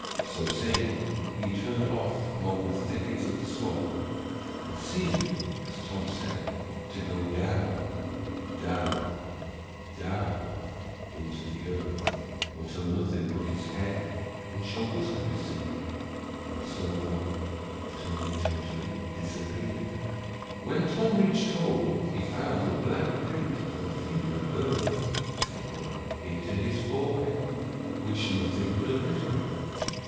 So saying, he turned off among the thickets of the swamp, and seemed, as Tom said, to go down, down, down, into the earth, until nothing but his head and shoulders could be seen, and so on, until he totally disappeared. When Tom reached home he found the black print of a finger burned, as it were, into his forehead, which nothing could obliterate.